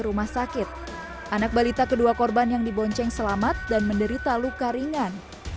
rumah sakit anak balita kedua korban yang dibonceng selamat dan menderita luka ringan